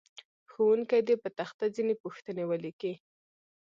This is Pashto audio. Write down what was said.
ښوونکی دې په تخته ځینې پوښتنې ولیکي.